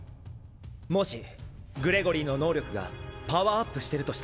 もしグレゴリーの能力がパワーアップしてるとしたら？